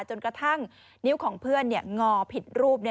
จนกระทั่งนิ้วของเพื่อนงอผิดรูป